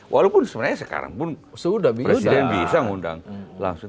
walaupun sebenarnya sekarang presiden bisa mengundang langsung